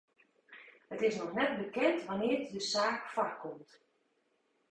It is noch net bekend wannear't de saak foarkomt.